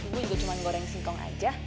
gue juga cuma goreng singkong aja